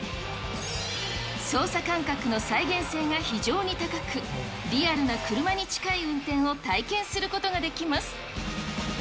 操作感覚の再現性が非常に高く、リアルな車に近い運転を体験することができます。